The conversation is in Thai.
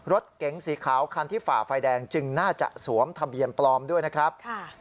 รถเก๋งสีขาวคันที่ฝ่าไฟแดงจึงน่าจะสวมทะเบียนปลอมด้วยนะครับ